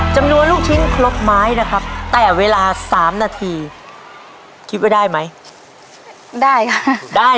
ขาดด้วยนะครับขาดกันด้วยนะครับพี่ขวัญได้กี่ไม้แล้ว